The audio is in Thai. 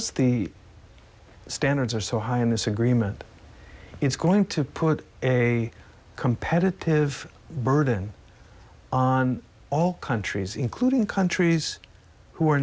เยี่ยมมากทฤษฎร์สูงสำคัญในพัฒนาจะจำเป็นสิ่งที่จะเป็นทัศน์กำลังสูงสูง